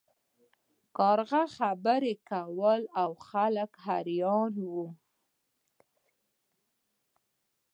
کارغه خبرې کولې او خلک حیران وو.